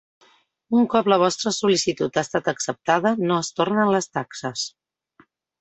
Un cop la vostra sol·licitud ha estat acceptada, no es retornen les taxes.